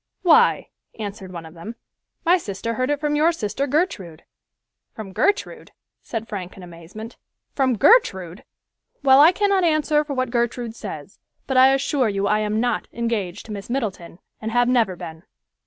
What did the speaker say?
"Why," answered one of them, "my sister heard it from your sister Gertrude." "From Gertrude!" said Frank in amazement, "from Gertrude! Well, I cannot answer for what Gertrude says, but I assure you I am not engaged to Miss Middleton, and have never been."